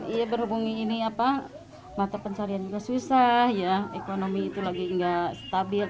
iya berhubungi ini apa mata pencarian juga susah ya ekonomi itu lagi nggak stabil